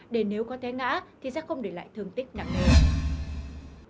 để nếu có té ngã thì sẽ không để lại thương tích nặng nề